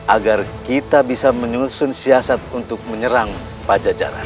agar kita bisa menyusun siasat untuk menyerang pajajaran